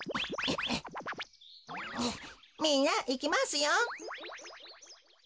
みんないきますよ。